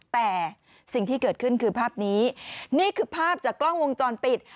แต่สิ่งที่เกิดขึ้นคือภาพนี้นี่คือภาพจากกล้องวงจรปิด